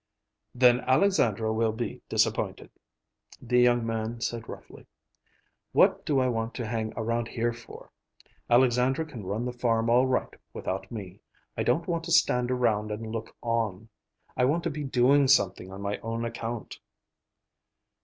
"Then Alexandra will be disappointed," the young man said roughly. "What do I want to hang around here for? Alexandra can run the farm all right, without me. I don't want to stand around and look on. I want to be doing something on my own account."